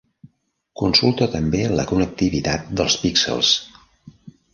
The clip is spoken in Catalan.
Consulta també la connectivitat dels píxels.